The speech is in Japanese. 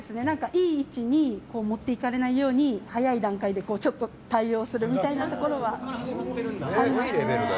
いい位置に持っていかれないよう早い段階でちょっと対応するみたいなのはありますね。